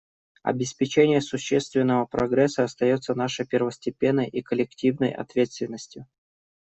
Обеспечение существенного прогресса остается нашей первостепенной и коллективной ответственностью.